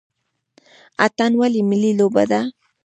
اتن ولې ملي لوبه ده؟